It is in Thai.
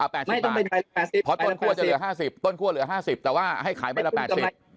เพราะต้นคั่วจะเหลือ๕๐แต่ว่าให้ขายเป็น๘๐บาท